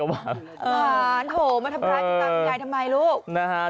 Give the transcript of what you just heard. แถมมีสรุปอีกต่างหาก